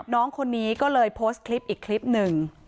น้องคนนี้ก็เลยโพสต์คลิปอีกคลิปหนึ่ง